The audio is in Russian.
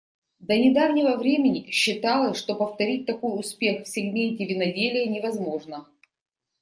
До недавнего времени считалось, что повторить такой успех в сегменте виноделия невозможно.